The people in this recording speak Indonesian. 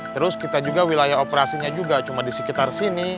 terus kita juga wilayah operasinya juga cuma di sekitar sini